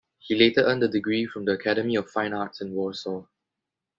He later earned a degree from the Academy of Fine Arts in Warsaw.